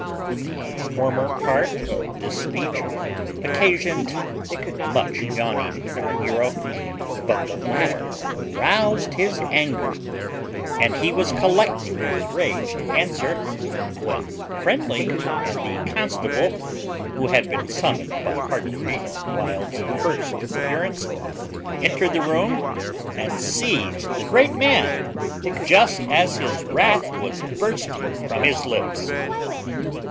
The former part of this speech occasioned much yawning in our hero, but the latter roused his anger; and he was collecting his rage to answer, when Friendly and the constable, who had been summoned by Heartfree on Wild's first appearance, entered the room, and seized the great man just as his wrath was bursting from his lips.